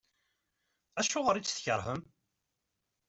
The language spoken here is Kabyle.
Acuɣer i tt-tkerhem?